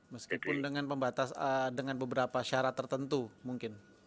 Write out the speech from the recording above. meskipun dengan beberapa syarat tertentu mungkin